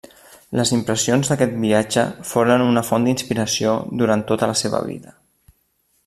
Les impressions d'aquest viatge foren una font d'inspiració durant tota la seva vida.